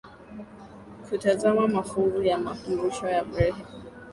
kutazama mafuvu ya makumbusho ya Bremen